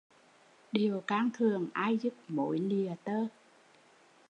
Điệu cang thường ai dứt mối lìa tơ